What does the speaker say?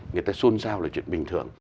người ta xôn xao là chuyện bình thường